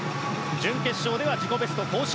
準決勝では自己ベスト更新。